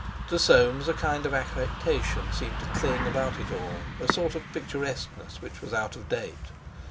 To Soames a kind of affectation seemed to cling about it all, a sort of picturesqueness which was out of date.